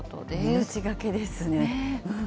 命懸けですね。